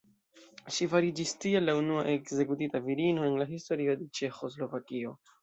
Ŝi fariĝis tiel la unua ekzekutita virino en la historio de Ĉeĥoslovakio.